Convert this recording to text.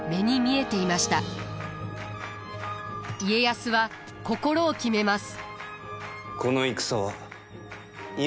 家康は心を決めます。